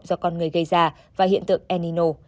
do con người gây ra và hiện tượng enino